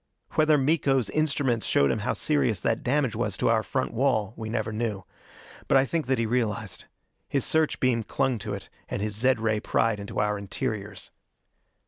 Whether Miko's instruments showed him how serious that damage was to our front wall, we never knew. But I think that he realized. His search beam clung to it, and his zed ray pried into our interiors.